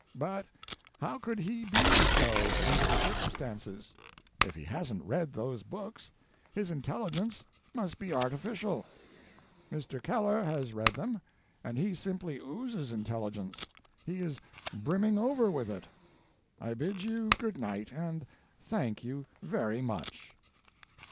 But how could he be so under the circumstances? If he hasn't read those books, his intelligence must be artificial. Mr. Keller has read them, and he simply oozes intelligence; he is brimming over with it. "I bid you good night, and thank you very much."